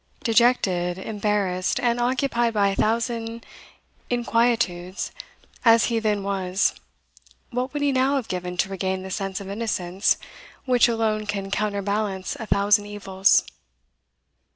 Dejected, embarrassed, and occupied by a thousand inquietudes, as he then was, what would he now have given to regain the sense of innocence which alone can counter balance a thousand evils!